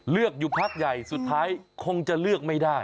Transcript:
เลือกอยู่พักใหญ่สุดท้ายคงจะเลือกไม่ได้